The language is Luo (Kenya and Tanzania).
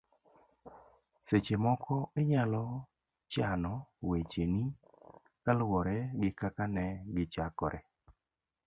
seche moko inyalo chano wecheni kaluwore gi kaka ne gichakore